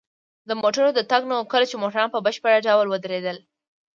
د موټرو د تګ نه وه، کله چې موټرونه په بشپړ ډول ودرېدل.